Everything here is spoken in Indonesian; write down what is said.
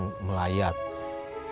saya mau ke jogja kang